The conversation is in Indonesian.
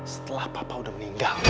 setelah papa udah meninggal